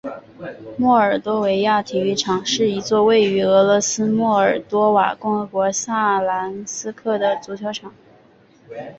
莫尔多维亚体育场是一座位于俄罗斯莫尔多瓦共和国萨兰斯克的足球场。